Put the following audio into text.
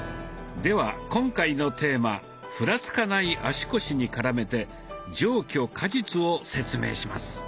では今回のテーマ「ふらつかない足腰」に絡めて「上虚下実」を説明します。